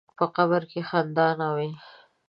په قبر کې خندا نه وي.